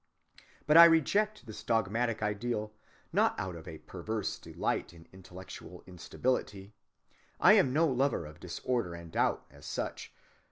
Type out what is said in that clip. But I reject this dogmatic ideal not out of a perverse delight in intellectual instability. I am no lover of disorder and doubt as such.